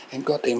em có tìm